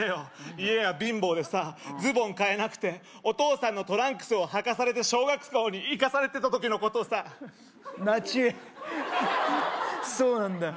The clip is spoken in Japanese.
家が貧乏でさズボン買えなくてお父さんのトランクスをはかされて小学校に行かされてた時のことさなちゅいそうなんだよ